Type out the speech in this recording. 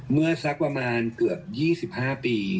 สักประมาณเกือบ๒๕ปี